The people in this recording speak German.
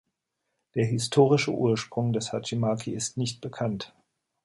Der historische Ursprung des Hachimaki ist nicht bekannt.